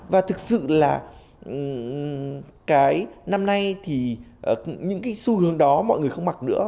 và thực sự là cái năm nay thì những cái xu hướng đó mọi người không mặc nữa